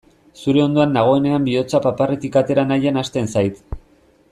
Zure ondoan nagoenean bihotza paparretik atera nahian hasten zait.